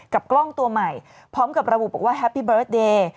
กล้องตัวใหม่พร้อมกับระบุบอกว่าแฮปปี้เบิร์ตเดย์